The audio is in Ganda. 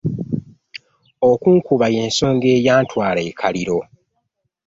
Okunkuba yensonga eyantwala ekaliro.